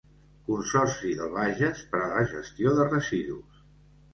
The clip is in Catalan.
Consorci del Bages per a la gestió de residus.